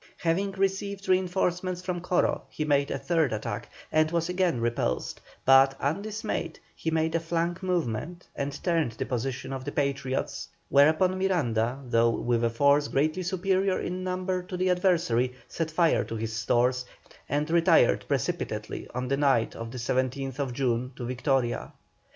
Having received reinforcements from Coro, he made a third attack, and was again repulsed, but, undismayed, he made a flank movement and turned the position of the Patriots, whereupon Miranda, though with a force greatly superior in number to his adversary, set fire to his stores, and retired precipitately, on the night of the 17th June, to Victoria.